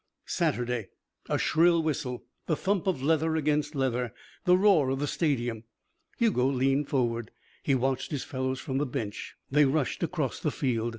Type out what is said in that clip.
Saturday. A shrill whistle. The thump of leather against leather. The roar of the stadium. Hugo leaned forward. He watched his fellows from the bench. They rushed across the field.